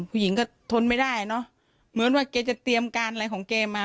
ผู้หญิงก็ทนไม่ได้เนอะเหมือนว่าแกจะเตรียมการอะไรของแกมา